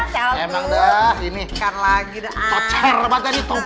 sini tocher banget ya